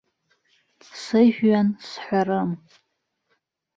Сыжәҩан сҳәарым.